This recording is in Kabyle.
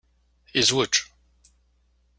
Yezwej.